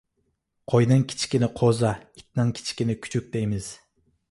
قوينىڭ كىچىكىنى قوزا، ئىتنىڭ كىچىكىنى كۈچۈك دەيمىز.